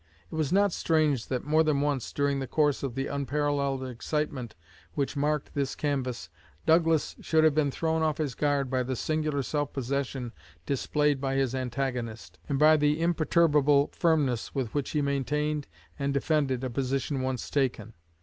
It was not strange that more than once, during the course of the unparalleled excitement which marked this canvass, Douglas should have been thrown off his guard by the singular self possession displayed by his antagonist, and by the imperturbable firmness with which he maintained and defended a position once taken.